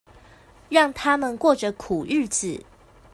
讓他們過著苦日子